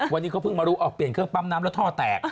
วันนี้เขาเพิ่งมารู้ออกเปลี่ยนเครื่องปั๊มน้ำแล้วท่อแตก